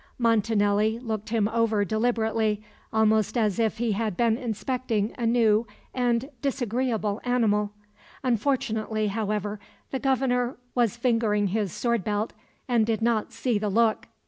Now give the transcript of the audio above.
Montanelli looked him over deliberately, almost as if he had been inspecting a new and disagreeable animal. Fortunately, however, the Governor was fingering his sword belt, and did not see the look.